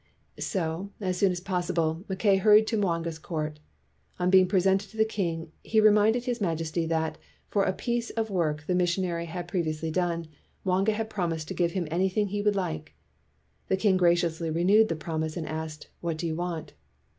So, as soon as possible, Mackay hurried to Mwanga's court. On being presented to the king, he reminded his majesty that, for a piece of work the missionary had previ ously done, Mwanga had promised to give him anything he would like. The king graciously renewed the promise and asked, "What do you want?"